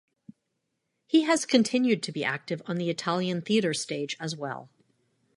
He has continued to be active on the Italian theatre stage as well.